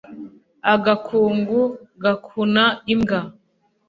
agakungu gakuna imbwa